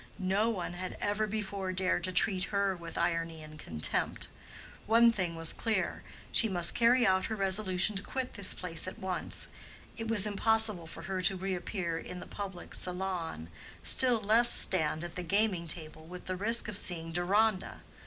No one had ever before dared to treat her with irony and contempt. One thing was clear: she must carry out her resolution to quit this place at once; it was impossible for her to reappear in the public salon, still less stand at the gaming table with the risk of seeing Deronda.